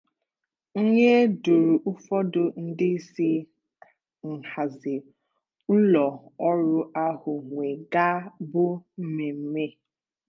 onye duru ụfọdụ ndịisi nhazi ụlọ ọrụ ahụ wee gaa bụ mmemme